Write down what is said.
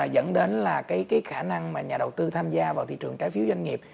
dẫn đến là cái khả năng mà nhà đầu tư tham gia vào thị trường trái phiếu doanh nghiệp